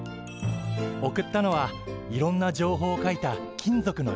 送ったのはいろんな情報を書いた金属の板だって。